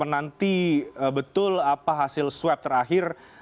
dan anda sangat menanti betul hasil swab terakhir